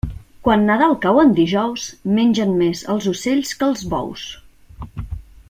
Quan Nadal cau en dijous, mengen més els ocells que els bous.